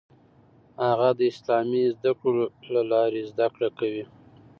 هغه د اسلامي زده کړو له لارې زده کړه کوي.